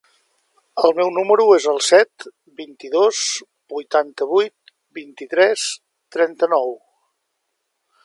El meu número es el set, vint-i-dos, vuitanta-vuit, vint-i-tres, trenta-nou.